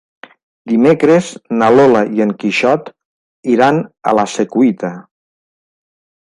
Dimecres na Lola i en Quixot iran a la Secuita.